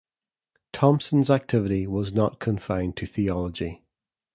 Thomson's activity was not confined to theology.